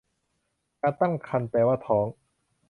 การตั้งครรภ์แปลว่าท้อง